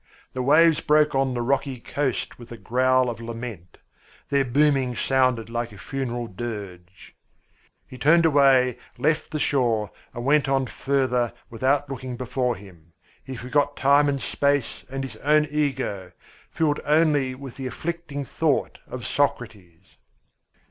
The waves broke on the rocky coast with a growl of lament. Their booming sounded like a funeral dirge. He turned away, left the shore, and went on further without looking before him. He forgot time and space and his own ego, filled only with the afflicting thought of Socrates!